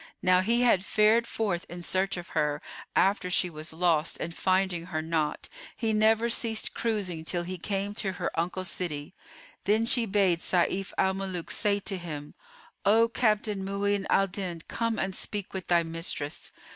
Now he had fared forth in search of her, after she was lost and finding her not, he never ceased cruising till he came to her uncle's city. Then she bade Sayf al Muluk say to him, "O Captain Mu'in al Din, come and speak with thy mistress!"